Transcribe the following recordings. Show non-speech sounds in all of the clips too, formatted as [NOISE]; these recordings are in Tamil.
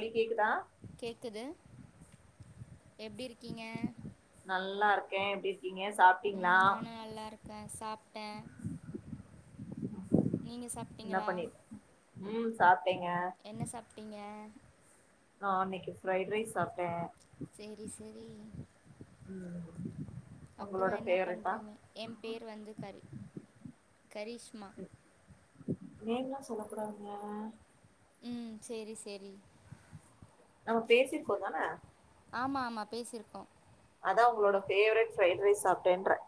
நீ கேக்குதா எப்டி இருக்கீங்க கே எப்டி இருக்கீங்க உம் சாப்ட்டீங்களா நானு நல்லா இருக்க சாப்ட்ட நீங்க சாப்பிட்டீங்களா உம் சாப் என்ன சாப்பிட்டீங்க ஆஹ் அன்னைக்கு ஃரைட் ரைஸ் சாப்பிட்ட சேரி சேரி ம் அப்புற உங்களோட என்ன ஃபேவரட்டா பண்றிங்க என் பேர் வந்து கரி கரிஷ்மா நேம்ல்லா சொல்ல கூடாதுங்க உம் சேரி சேரி நாம பேசிருக்கோ தானே ஆமா ஆமா பேசிருக்கோ அதா உங்களோட ஃபேவரிட் ரைஸ் சாப்பிட்டேன்ற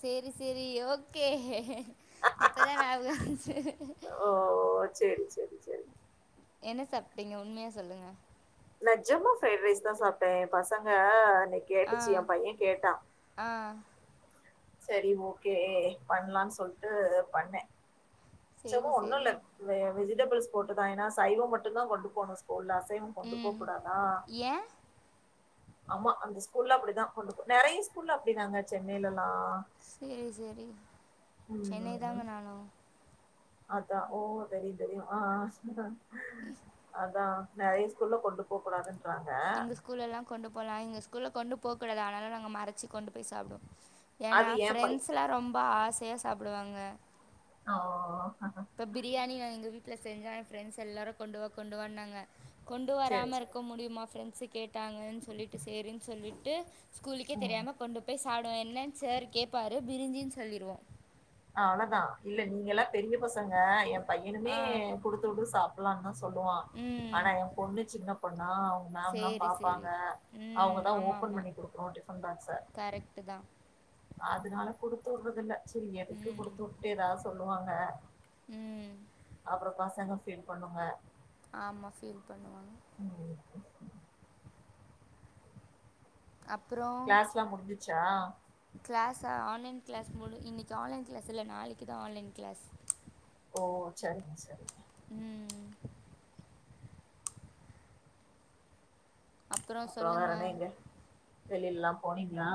சேரி சேரி ஓகே இப்பதா ஞாபக வந்துச்சு ஓ சேரி சேரி சேரி என்ன சாப்பிட்டீங்க உண்மையா சொல்லுங்க நெஜமா ஃரைட் ரைஸ் தா சப்பிட்டே என் பசங்க ஆ கேட்டுச்சி என் பையன் கேட்டா ஆ சேரி ஓக்கே பண்ணலானு சொல்ட்டு பண்ணே சும்மா சரி ஒன்னு இல்ல சரி வெஜிடபிள்ஸ் போட்டுதா ஏன்னா சைவம் மட்டுதா கொண்டு போணு ஸ்கூல அசைவ கொண்டு போ ம் கூடாதா ஏன் ஆமா அந்த ஸ்கூல்ல அப்டிதா கொண்டு நிறைய ஸ்கூல்ல அப்டிதாங்க சென்னையிலலா சேரி சேரி சென்னை ம் தாங்க நானு அதா ஓ தெரியு தெரியு ஆஹ் அதா நெறைய ஸ்கூல கொண்டு போக கூடாது எங்க ஸ்கூல்ல கொண்டு போலா எங்க ஸ்கூல்ல கொண்டு போக கூடாது ஆனால நாங்க மறைச்சு கொண்டு போய் சாப்பிடுவோ ஏன்னா அது ஏ பை ஃபிரெண்ட்ஸ் எல்லா ரொம்ப ஆசையா சாப்பிடுவாங்க ஆஹ இப்ப பிரியாணி நா எங்க வீட்டு்ல செஞ்சா ஃபிரெண்ட்ஸ் எல்லாரு கொண்டு வா கொண்டுவான்னாங்க கொண்டு செரி வராம செரி இருக்க முடியுமா ஃப்ரெண்ட்ஸு கேட்டாங்கன்னு சொல்லிட்டு சேரின்னு சொல்லிட்டு ஸ்கூலுக்கே ம் தெரியாம கொண்டு போய் சாப்பிடுவ சார் கேட்பாரு பிரிஞ்சின்னு சொல்லிருவோ அவ்ளதா இல்ல நீங்க எல்லா பெரிய பசங்க என் பையனுமே ஆ குடுத்து விடு சாப்பிடலானுத சொ சொல்லுவ ம் ஆனா ஏ பொண்ணு சின்ன பண்ணா அவங்க மேம் எல்லா சரி சரி பாபப்பாங்க ம் அவங்கதா ஓபன் பண்ணி குடுக்கணு ஃபன் பாக்ஸ் சார் கரெக்ட்டு தா அதனால குடுத்து விரதில்ல சரி க்கு ம் குடுத்து விட்டேதா சொல்லுவாங்க ம் அப்பற பசங்க பீல் பண்ணுங்க ஆமா ஃபீல் பண்ணுவாங்க ம். அப்புறம் கிளாஸ்லா முடிஞ்சுச்சா கிளாஸா ஆன்லைன் கிளாஸ் மூணு இன்றைக்கக்கு ஆன்லைன் கிளாஸ் இல்ல நாளைக்கு தா ஆன்லைன் கிளாஸ் ஓ சரிங்க சரி ம் ம் அப்பற சொல்லுங்க வெளியிலல்லா போனீங்களா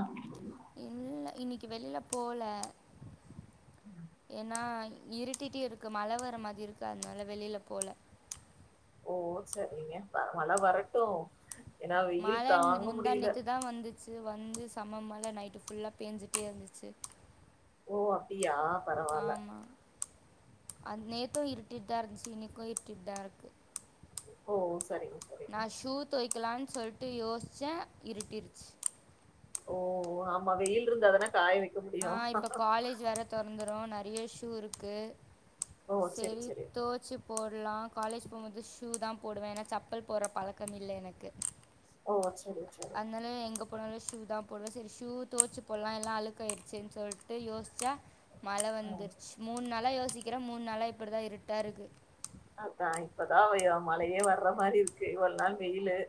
இல்ல இன்னைக்கு வெளியில போல ஏன்னா இருட்டிட்டியு இருக்கு மழ வர மாதி இருக்கு அதனால வெளியில போல ஓ சரிங்க வர மழ வரட்டு ஏன்னா வெயில் தாங்க முடியல ச்சு வந்து சம மேல நைட்டு புல்லா பேஞ்சிட்டே இருந்துச்சு ஓ அப்டியா பரவால்ல அ் நேத்து இருட்டிட்தா இருந்துச்சு இன்னக்கு இருட்டிட்தா இருக்கு ஓ சரிங்க சரிங்க. நா ஷூ தொவைக்கலாம்னு சொல்ட்டு யோசிச்சே இருட்டிருச்சு ஓ ஆமா வெயில் இருந்தாதானா காய வக் ஆ இப்ப காலேஜ் வேர தொறந்து நெறைய ஷூ இருக்கு ஓ சரி செரி சரி. தோச்சு போட்லா காலேஜ் போகும்போது ஷூ தா போடுவே ஏன்னா சப்பல் போடுற பழக்க இல்ல எனக்கு ஓ சரி சரி போன ஷூ தான் போடுவேன் சரி ஷூ தோச்சு போடலா எல்லா அழுக்காய்டுச்சன்னு சொல்லிட்டு யோசிச்சா மழ ம் வந்துருச்சு மூணு நாளா யோசிக்கிறே மூணு நாளா இப்படிதா இருட்டா இருக்கு அதா இப்பதா வ மழையே வர்ற மாரி இருக்கு இவ்ள நாள் வெயிலு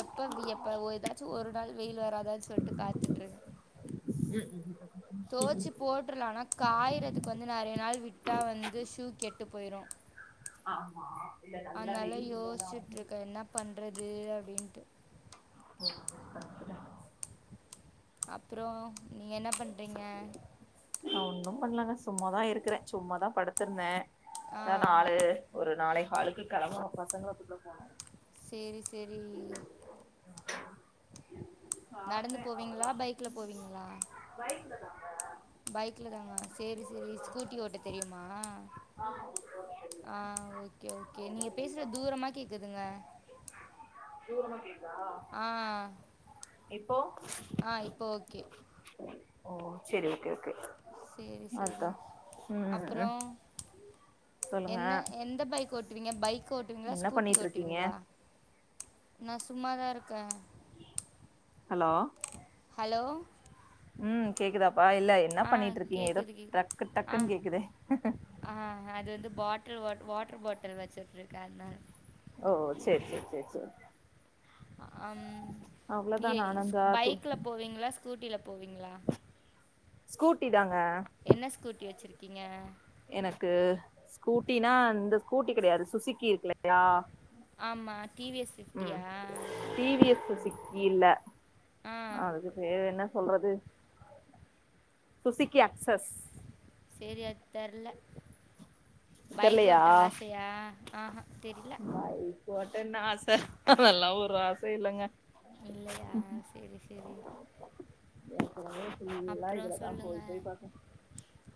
எப்ப எப்ப ஏதாச்சு ஒரு நாள் வெயில் வராதானு சொல்லிட்டு காத்துட்டுருக் ம் ம் ம். தோச்சு போட்ருலான்னா காயறதுக்கு வந்து நெறைய நாள் விட்டா வந்து ஷூ கெட் டு போய்ரு ஆமா இல்ல நல்லா அதனால வெயில் இருந்தாதா யோசிச்சுட்ருக்க என்னா பண்ற றது அப்படின்ட்டு [UNINTELLIGIBLE] அப்புற நீ என்ன பண்றீங்க நா ஒன்னு பண்ணலங்க சும்மாதா இருக்கறே சும்மாதா படுத்திருந்தே ஆ ஏ நாலு ஒரு நாளை காளுக்கு கெளம்பனு பசங்கள கூப்ட போனு செரி செரி நடந்து சாப்ட்டே போவீங்களா அவ்வளதா பைக்ல போவீங்களா வய பைக்ல தாங்க சேரி சேரி ஸ்கூட்டி ஓட்ட தெரியுமா ஆ ஓகே ஓகே நீங்க பேசுற பசங்க தூரமா கேக்குதுங்க தூரமா கேக்குதா? ஆ இப்போ ஆ இப்ப ஓகே ஓ சரி ஓகே ஓகே சரி அர்த்தா சரி ம் ம் அப்புறம் என்ன எந்த பைக் ஓட்டுவீங்க பைக் ஓட்டுவீங்களா என்ன ஸ்கூட்டி பண்ணிட்டு இருக்கீங்க ஓட்டுவீங்களா நா சும்மாதா இருக்கே ஹலோ ஹலோ ம் கேக்குதாப் ப்பா இல்ல என்னா ஆ பண்ணிட்ருக்கீங்க ஏதோ கேக்குது கே ட்ரக்கு ஆ டக்குன்னு கேக்குதே ட்ரு வா வாட்டர் பாட்டில் வச்சுட்டு இருக்க அனால ஓ சரி சரி சரி சரி அ அம் ஏ ஸ்க் நானுந்தா து பைக்ல போவீங்களா ஸ்கூட்டிலப் போவீங்களா ஸ்கூட்டி தாங்க என்ன ஸ்கூட்டி வெச்சிருக்கீங்க எனக்கு ஸ்கூட்டினா இந்த ஸ்கூட்டி கிடையாது சுசிக்கி இருக்குலையா ஆமா டி வி எஸ் ஃபிஃப்டியா டி வி எஸ் சுசுக்கி இல்ல ஆ அதுக்கு பேரு என்ன சொல்றது சுசிக்கி அக்ஸஸ் சேரி அத் தெர்ல பைக் தெர்லையா ஓட்ட ஆசையா ஆஹ தெரில பைக் ஓட்டன்னு ஆச அதெல்லா ஒரு ஆசையு இல்லங்க இல்லையா சேரி சேரி ஏற்கனவே ஃபுல்லா இதுலதா சொல்லுங்க போய் போய் பாக்கு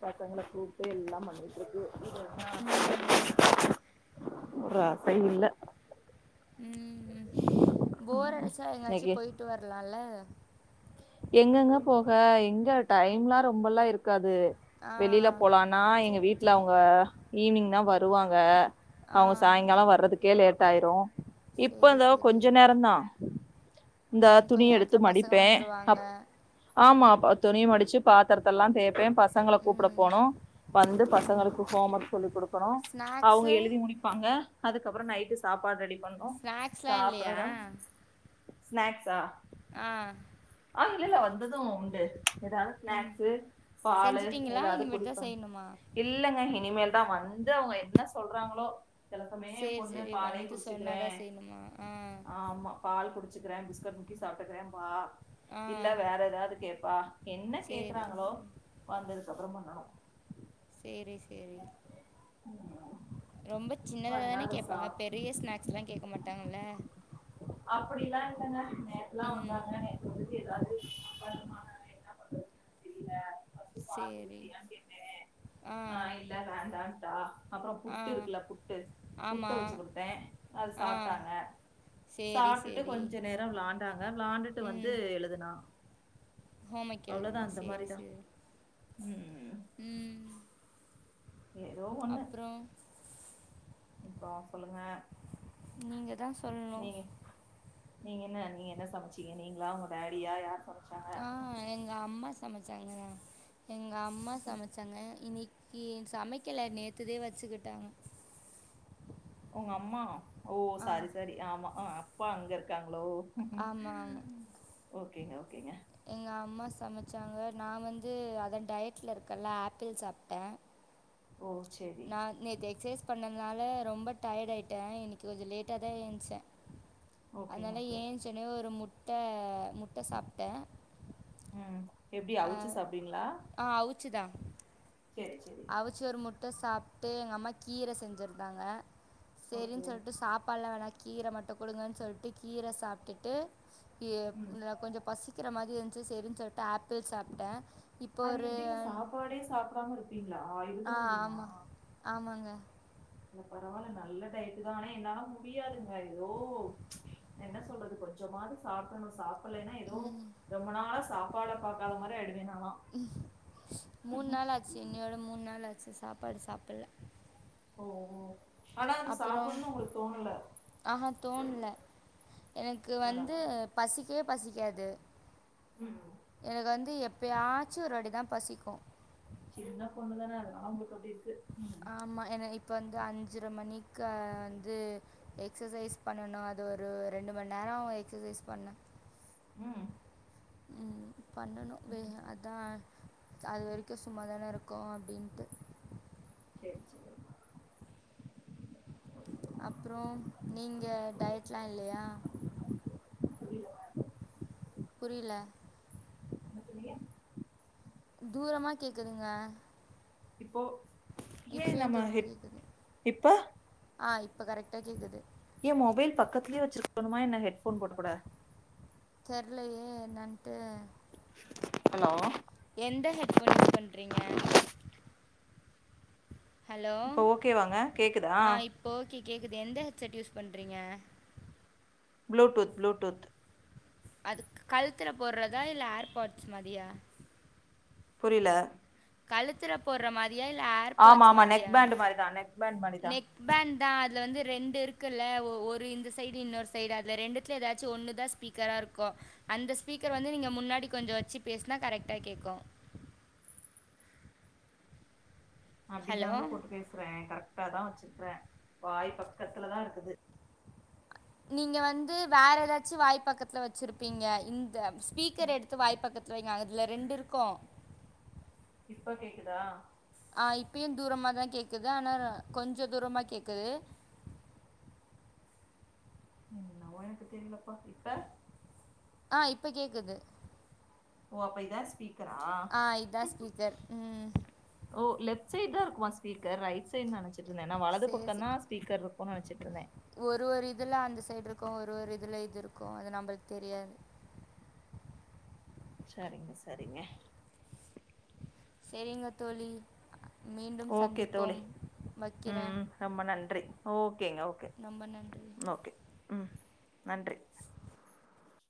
பசங்கள கூப் ட்டு எல்லாம் பண்ணிட்ருக்கு இது என்ன ம் ஒரு ஆசை இல்ல ம் ம் போரடிச்சா எங்காச்சு இன்னைக்கு போய்ட்டு வரலால்ல எங்கங்க போக எங்க டைம்லா ரொம்பல்லா இருக்காது வெளியில ஆ போலான்னா எங்க வீட்ல அவ்ங்க ஈவ்னிங்தா வருவாங்க ஆ அவங் சாயங்காலொ வர்றதுக்கே லேட் ஆயிரு இப்ப சரி இந்தோ சரி கொஞ்ச நேரொந்தா இந்தா ம் துணி கொஞ்ச எடுத்து நேரத்துல பசங்க மடிப்பே வந்துருவாங்க அப் ஆமா பா துணிய மடிச்சு பாத்ரத்தல்லா தேப்பே பசங்கள கூப்ட ம் போனு வந்து ம் பசங்களுக்கு ஹோம் ஒர்க் சொல்லி குடுக்கணு அவுங்க ஸ்நாக்ஸு எழுதி முடிப்பாங்க அதுக்கப்றொ நைட்டு சாப்பாடு ரெடி பண்ணு ஸ்நாக்ஸ்லா இல்லையா சாப்டணு ஸ்நாக்ஸா அ ஆ இல்லல்ல வந்தது உண்டு ஏதாவ்து ம் ஸ்நாக்ஸு பாலு செஞ்சுட்டிங்களா ஏதாவ்து இனிமேட்டு தா குடிப்பாங் செய்யணுமா இல்லங்க இனிமேல்தா வந்து அவுங்க என்ன சொல்றாங்ளோ சில சமயொ ஏ சரி பொண்ணு சரி பாலையே வந்து குடிச்சுக்கிறே சொன்னாதா செய்யணுமா ஆ ஆமா பால் குடிச்சிக்கிற பிஸ்க்கெட் முக்கி சாப்ட்டுக்குற ஆ இல்ல வேற ஏதாது கேப்பா என்ன சரி கேக்குறாங்களோ சரி வந்துரு [UNINTELLIGIBLE] சேரி சேரி ரொம்ப சின்னதாதான பண்ணாத சா கேப்பாங்க பெரிய ஸ்நாக்ஸ்லா கேக்க மாட்டாங்கல்ல அப்படில்லா இல்லங்க நேத்லா ம் வந்தாங்க நேத்து [UNINTELLIGIBLE] ஏதாவ்து [INAUDIBLE] என்ன பண்றது தெரியில சரி ஆ இல்ல வேண்டான்ட்டா அப்பறொ ஆ புட்டு இருக்குல புட்டு புட்ட ஆமா வச்சு குடுத்தே அது ஆ சாப்ட்டாங்க சரி சாப்ட்டுட்டு சரி கொஞ்ச நேரொ வ்ளாண்டாங்க வ்ளாண்டுட்டு வந்து எழுதுனா ஹோமெக் அவ்ளோதா எழ்துன அந்த சேரி மாரிதா சேரி ம் ம் ஏதோ ஒண்ணு அப்புறம் இப்போ சொல்லுங்க நீங்கதா சொல்ணு நீங்க நீங்க என்ன நீங்க என்ன சமச்சீங்க நீங்களா உங்க டேடியா யாரு சமச் ஆ எங்க அம்மா சமச்சாங்கங்க எங்க அம்மா சமச்சாங்க இன்னி க்கி சமைக்கெல நேத்துதே வெச்சுக்கிட்டாங்க உங்க அம்மா ஓ சாரி சாரி ஆமா அ அப்பா அங்க இருக்காங்களோ ஆமா ஆமா ஓகேங்க, ஓகேங்க. எங்க அம்மா ச மச்சாங்க நா வந்து அதா டயட்ல இருக்கல்ல ஆப்பிள் சாப்ட்ட ஓ! சரி. நா நேத்து எக்சைஸ் பண்ணனால ரொம்ப டயர்ட் ஆயிட்டே இன்னைக்கு கொஞ்ச லேட்டா தா ஏந்ச்சே ஓகேங்க, அதுனால ஓகே. ஏந்ச்சோனே ஒரு முட்ட முட்ட சாப்ட்டே ம் எப்டி அவுச்சு சாப்டுவீங்ளா ச்சுதா சேரி சேரி ட சாப்ட்டு எங்க அம்மா கீர செஞ்சிருந்தாங்க சேரின் ஓகே. சொல்ட்டு சாப்பாட்லா வேணா கீர மட்டு குடுங்கன் சொல்ட்டு கீர சாப்ட்டுட்டு கிய ம். அ கொஞ்ச பசிக்கிற மாரி இருந் ந்ச்சு சேரின் சொல்ட்டு ஆப்பிள் சாப்ட்டே அது எப்டிங்க சாப்பாடே சாப்டாம இருப்பீங்ளா ஆ இருந்துர முடியுமா ஆமாம் ஆமாங்க [INAUDIBLE] பரவால்ல நல்ல டயட்டு தா ஆனா என்னால முடியாதுங்க எதோ என்ன சொல்றது கொஞ்சமாவ்து சாப்டணு சாப் டலைனா எதோ ரொம்ப நாளா சாப்பாட பாக்காத மாரி ஆயிவேணா மூணு நாள் ஆச்சு இன்னயோட மூணு நாள் ஆச்சு சாப்பாடு சாப்பிட்ல ஓ! ஓ! ஆனா வந்து சாப்பிட்ணு உங்களுக்கு தோணல ஆ ஹா தோண்ல எனக்கு வந்து பரவால்ல. பசிக்கவே பசிக் காது ம். எனக்கு வந்து எப்பயாச்சு ஒரு வாட்டிதா பசிக்கு செரி என்ன பொண்ணுதானே அதனாலா உங்களுக்கு அப்டி இருக்கு ம் ஆமா என இப்ப வந்து அஞ்சு ஞ்சர மணிக்க வந்து எக்சசைஸ் பண்ணனு அது ஒரு ரெண்டு மண் நேர எக்சசை ஸ் பண்ண ம் ம் பண்ணணு வே அதா அது வரைக்கு சும்மாதான இருக்கோ அப்டின்ட்டு சேரி சேரி அப்றோ நீங்க டயட்லா இல்லையா புரில புரியில என்ன சொன்னீங்க தூரமா கேக்குதுங்க இப்போ ஏன் இப்பயு நம்ம தூரமா ஹெட் கேக்குது இப்ப ஆ இப்ப கரெக்டா கேக்குது மொபைல் பக்கத்லே வச்சுருக்கணுமா என்ன ஹெட்ஃபோன் போட்டு கூட தெர்லையே என்னன்ட்டு ஹலோ எந்த ஹெட்ஃபோன் யூஸ் பண்றீங்க ஹலோ இப்ப ஓகேவாங்க கேக்குதா ஆ இப்ப ஓகே கேக்குது எந்த ஹெட்செட் யூஸ் பண்றீங்க ப்ளுடூத் ப்ளுடூத் அது கழுத்துல போட்றதா இல்ல ஏர்பாட்ஸ் மாரியா புரிய்ல கழுத்துர போடுற மாதிரி ஆமா ஆமா நெக் பேண்டு மாரிதா நெக் பேண்ட் மாரிதா நெக் பேண்ட் தா அதுல வந்து ரெண்டு இருக்குல்ல ஒ ஒரு இந்த சைடு இன்னொரு சைடு அதுல ரெண்டுத்ல எதாச்சு ஒன்னு தா ஸ்பீக்கரா இருக்கு அந்த ஸ்பீக்கர் வந்து நீங்க முன்னாடி கொஞ்ச வச்சு பேசுனா கரெக்டா கேக்கு [INAUDIBLE] ஹலோ அப்டிதாங்க போட்டு பேசுறே கரெக்ட்டா தா வச்சிருக்கிறே வாய் பக்கத்துலதா இருக்குது நீங்க வந்து வேற எதாச்சு வாய் பக்கத்துல வச்சிருப்பீங்க இந்த ஸ் பீக்கர் ம் எடுத்து வாய் பக்கத்துல வைங்க அதுல ரெண்டு இருக்கு இப்ப கேக்குதா ஆ இப்பயு தூரமாதா கேக்குது ஆனா கொஞ்ச தூரமா கேக்குது ம் ஒனக்கு தெரியலப்பா இப்ப ஆ இப்ப கேக்குது ஓ அப்ப இத ஸ்பீக் கரா ஆ இதான் ஸ்பீக்கர் ம் ஓ லெப்சைட் தான் இருக்குமா ஸ்பீக்கர் ரைட் சைடு நினச்சட்டு இருந்த நா வலது சரி பக்கம் சரி தான் ஸ்பீக்கர் இருக்கும்னு நச்சிட்டுந்தே ஒரு ஒரு இதுல அந்த சைடு இருக்கும் ஒரு ஒரு இதுல இது இருக்கும் அது நம்மளுக்கு தெரியாது சரிங்க சரிங்க சரிங்க தோழி மீண்டும் ஓகே தோழி சந்திப்போம் வைக்கிறேன் ம் ரொம்ப நன்றி ஓகேங்க ஓகே ரொம்ப நன்றி ஓகே ம் நன்றி